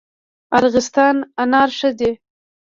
د ارغستان انار ښه دي